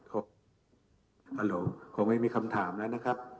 หรือหรือไม่มีคำถามนะครับ